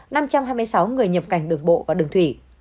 năm trăm hai mươi sáu người nhập cảnh đường bộ và đường thủy